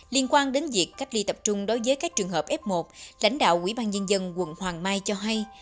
liên quan đến việc cách ly tập trung đối với các trường hợp f một lãnh đạo quỹ ban nhân dân quận hoàng mai cho hay